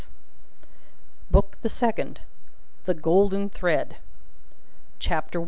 Book the Second the Golden Thread CHAPTER I.